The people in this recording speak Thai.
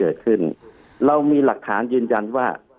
คุณหมอประเมินสถานการณ์บรรยากาศนอกสภาหน่อยได้ไหมคะ